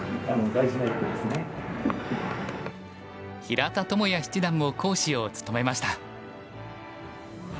平田智也七段も講師を務めました。